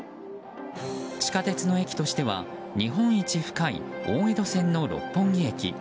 地下鉄の駅としては日本一深い大江戸線の六本木駅。